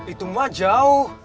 itu mah jauh